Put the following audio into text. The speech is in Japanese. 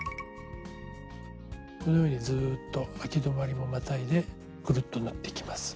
このようにずっとあき止まりもまたいでグルッと縫っていきます。